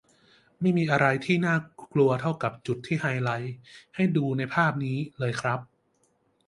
ไม่มีอะไรน่ากลัวเท่ากับจุดที่ไฮไลท์ให้ดูในภาพนี้เลยครับ